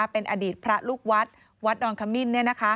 เป็นอดีตพระลูกวัดวัดดอนขมิ้น